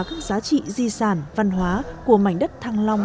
các giá trị di sản văn hóa của mảnh đất thăng long